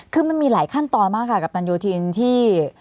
คือมันมีหลายขั้นตอนมากค่ะกัปตันโยธินที่